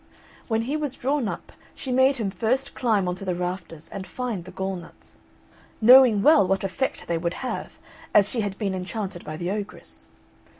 When he was drawn up she made him first climb on to the rafters and find the gall nuts, knowing well what effect they would have, as she had been enchanted by the ogress.